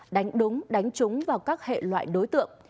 đánh đúng đánh trúng vào các hệ loại đối tượng